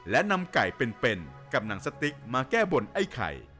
และนำไก่เป็นกับหนังสติ๊กมาแก้บนไอ้ไข่